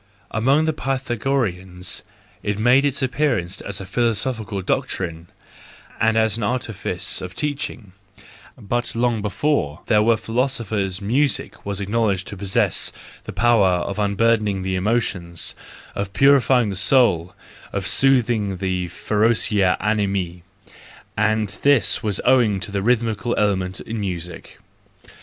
Among the Il8 THE JOYFUL WISDOM, II Pythagoreans it made its appearance as a philoso¬ phical doctrine and as an artifice of teaching : but long before there were philosophers music was acknowledged to possess the power of unburdening the emotions, of purifying the soul, of soothing the ferocia animi —and this was owing to the rhythmical element in music.